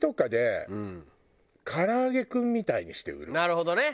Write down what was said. なるほどね。